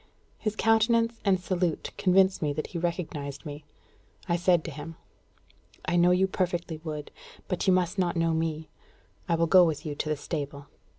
His countenance and salute convinced me that he recognised me. I said to him: "I know you perfectly, Wood; but you must not know me. I will go with you to the stable."